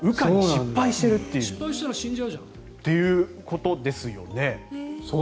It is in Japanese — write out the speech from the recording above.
失敗したら死んじゃうじゃん。ということですよね。